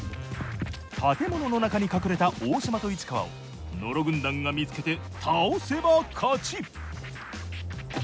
建物の中に隠れた大島と市川を野呂軍団が見つけて倒せば勝ち。